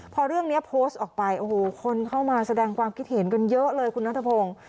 พอเรื่องนี้โพสต์ออกไปโอ้โหคนเข้ามาแสดงความคิดเห็นกันเยอะเลยคุณนัทพงศ์